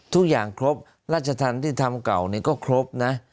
ทุกอย่างครบราชธรรมที่ทำเก่าก็ครบนะ